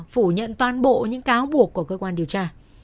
phủ nhận toàn bộ những cáo buộc của cơ quan điều tra